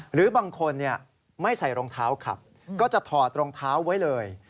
หรือบางคนไม่ใส่รองเท้าขับก็จะถอดรองเท้าไว้เลย